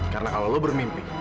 karena kalau lu bermimpi